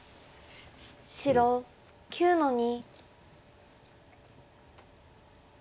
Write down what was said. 白９の二。